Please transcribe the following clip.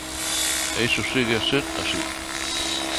E iso segue a ser así.